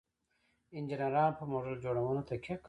انجینران په موډل جوړونه تکیه کوي.